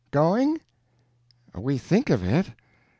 "Going?" "We think of it."